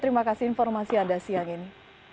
terima kasih informasi anda siang ini